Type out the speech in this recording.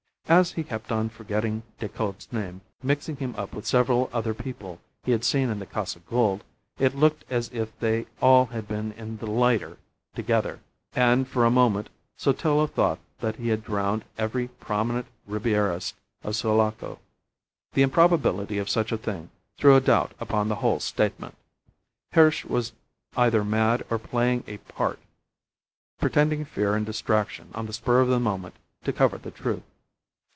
As he kept on forgetting Decoud's name, mixing him up with several other people he had seen in the Casa Gould, it looked as if they all had been in the lighter together; and for a moment Sotillo thought that he had drowned every prominent Ribierist of Sulaco. The improbability of such a thing threw a doubt upon the whole statement. Hirsch was either mad or playing a part pretending fear and distraction on the spur of the moment to cover the truth.